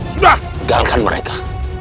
sudah galakan mereka